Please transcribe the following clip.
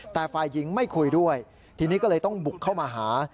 แต่ฝ่ายหญิงไม่คุยด้วยทีนี้ก็เลยต้องบุกเข้ามาหา